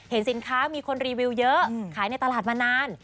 เห็นสินค้ามีคนรีวิวเยอะขายในตลาดมานาน